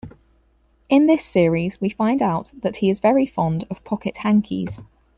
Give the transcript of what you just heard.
In this series we find out that he is very fond of pocket hankies.